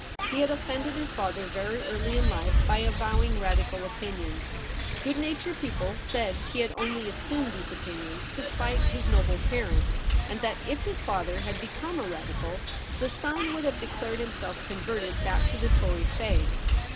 He had offended his father very early in life by avowing Radical opinions. Good natured people said he had only assumed these opinions to spite his noble parent, and that if his father had become a Radical, the son would have declared himself converted back to the Tory faith.